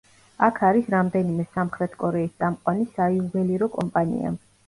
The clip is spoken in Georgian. აქ არის რამდენიმე სამხრეთ კორეის წამყვანი საიუველირო კომპანია.